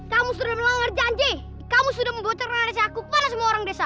kamu sudah melanggar janji kamu sudah membocor nangis aku panas orang desa